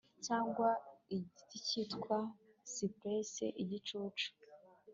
cyangwa igiti cyitwa cypress igicucu